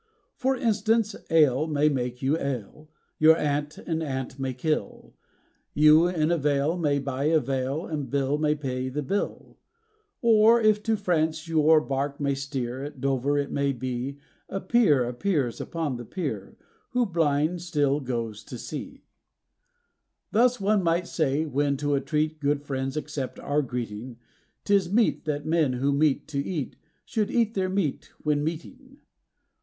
For instance, ale may make you ail, your aunt an ant may kill, You in a vale may buy a veil and Bill may pay the bill. Or, if to France your bark may steer, at Dover it may be, A peer appears upon the pier, who, blind, still goes to sea. Thus, one might say, when to a treat good friends accept our greeting, 'Tis meet that men who meet to eat should eat their meat when meeting.